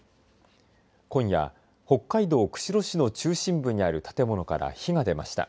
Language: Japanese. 今夜北海道釧路市の中心部にある建物から火が出ました。